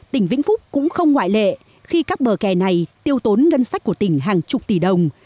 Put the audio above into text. tỉnh vĩnh phúc cũng không ngoại lệ khi các bờ kè này tiêu tốn ngân sách của tỉnh hàng chục tỷ đồng